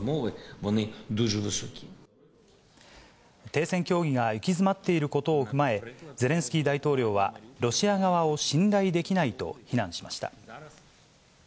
停戦協議が行き詰っていることを踏まえ、ゼレンスキー大統領は、ロシア側を信頼できないと非難しました。